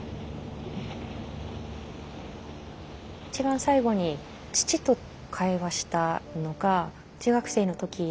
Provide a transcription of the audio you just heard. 一番最後に父と会話したのが中学生の時ですけれども。